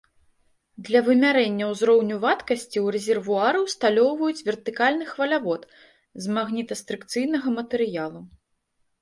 Для вымярэння ўзроўню вадкасці, у рэзервуары усталёўваюць вертыкальны хвалявод з магнітастрыкцыйнага матэрыялу.